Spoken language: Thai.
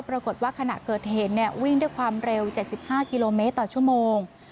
ปรากฏว่าขณะเกิดเหตุวิ่งด้วยความเร็ว๗๕กิโลเมตรต่อชั่วโมง